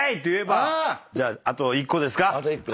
じゃああと１個ですか。